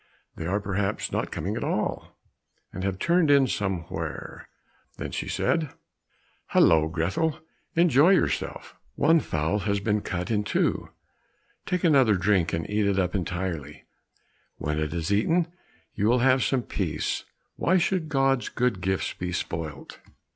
They are perhaps not coming at all, and have turned in somewhere." Then she said, "Hallo, Grethel, enjoy yourself, one fowl has been cut into, take another drink, and eat it up entirely; when it is eaten you will have some peace, why should God's good gifts be spoilt?"